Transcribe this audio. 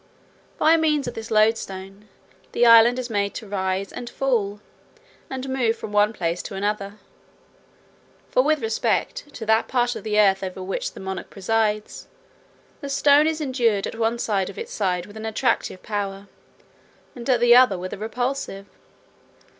By means of this loadstone, the island is made to rise and fall, and move from one place to another. For, with respect to that part of the earth over which the monarch presides, the stone is endued at one of its sides with an attractive power, and at the other with a repulsive.